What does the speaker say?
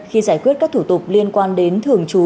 khi giải quyết các thủ tục liên quan đến thường trú